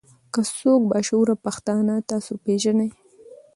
کۀ څوک با شعوره پښتانۀ تاسو پېژنئ